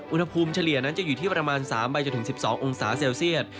อุณหภูมิเฉลี่ยนั้นจะอยู่ที่ประมาณ๓๑๒องศาเซลเซียต